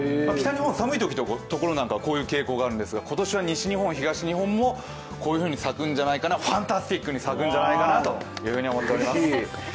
北日本、寒いところなんかはこういう傾向があるんですけど今年は西日本、東日本もこういうふうに咲くんじゃないかな、ＦＡＮＴＡＳＴＩＣに咲くんじゃないかなと思っています。